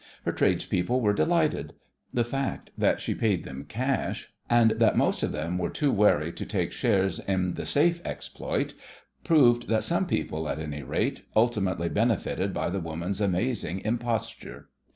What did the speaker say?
Her tradespeople were delighted. The fact that she paid them cash, and that most of them were too wary to take "shares" in the "safe" exploit, proved that some people at any rate ultimately benefited by the woman's amazing imposture.